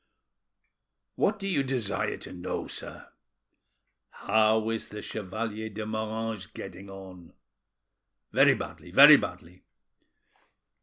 "What do you desire to know, sir?" "How is the Chevalier de Moranges getting on?" "Very badly, very badly."